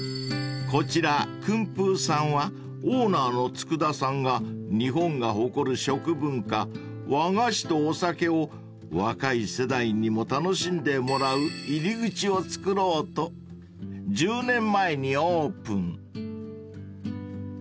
［こちら薫風さんはオーナーのつくださんが日本が誇る食文化和菓子とお酒を若い世代にも楽しんでもらう入り口をつくろうと１０年前にオープン］